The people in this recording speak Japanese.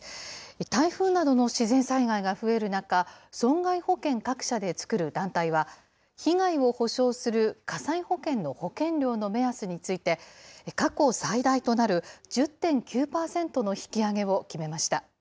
台風などの自然災害が増える中、損害保険各社で作る団体は、被害を補償する火災保険の保険料の目安について、過去最大となる１０．９％の引き上げを決めました。